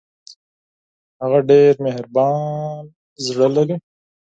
هغه ډېر مهربان زړه لري